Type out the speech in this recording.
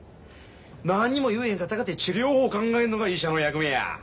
何にも言えへんかったかて治療法を考えんのが医者の役目や。